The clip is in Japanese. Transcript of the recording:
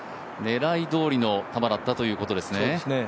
狙い通りの球だったということですね。